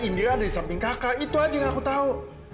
india ada di samping kakak itu aja yang aku tahu